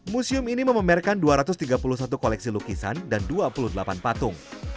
museum ini memamerkan dua ratus tiga puluh satu koleksi lukisan dan dua puluh delapan patung